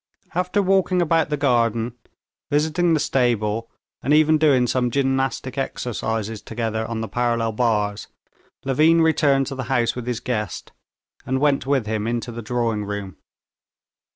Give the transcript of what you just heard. After walking about the garden, visiting the stable, and even doing some gymnastic exercises together on the parallel bars, Levin returned to the house with his guest, and went with him into the drawing room.